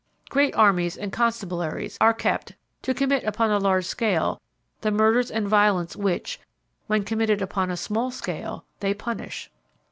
Great armies and constabularies are kept to commit upon a large scale the murders and violence which, when committed upon a small scale, they punish.